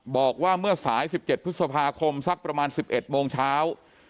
บอกว่าเมื่อสายสิบเจ็ดพฤษภาคมสักประมาณสิบเอ็ดโมงเช้า